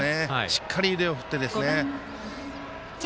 しっかり腕を振ってですね。